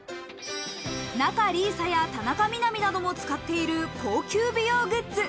仲里依紗や田中みな実なども使っている、高級美容グッズ。